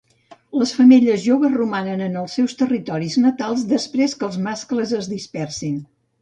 Les femelles joves romanen en els seus territoris natals després que els mascles es dispersin.